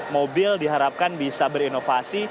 mobil diharapkan bisa berinovasi